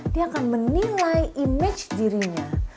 dia akan menilai image dirinya